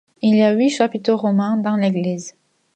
Il y a huit chapiteaux romans dans l'église.